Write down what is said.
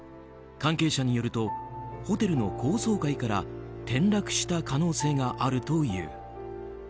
関係者によるとホテルの高層階から転落した可能性があるという。